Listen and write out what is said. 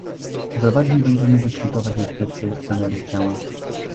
Za dwa dni będziemy dyskutować nad kwestią skanerów ciała